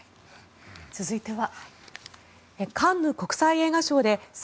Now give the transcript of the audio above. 続いては。